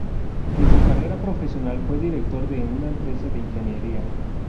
En su carrera profesional fue director de una empresa de ingeniería.